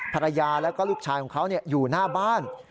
ภรรยาแล้วก็ลูกชายของเขาอยู่หน้าบ้าน